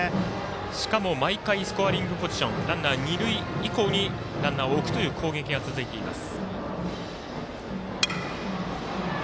しかも、毎回スコアリングポジションランナー、二塁以降にランナーを置くという攻撃が続いています。